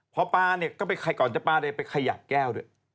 พอปลาเนี่ยก่อนจะปลาไปขยับแก้วด้วย